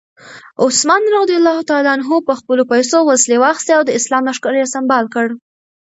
عثمان رض په خپلو پیسو وسلې واخیستې او د اسلام لښکر یې سمبال کړ.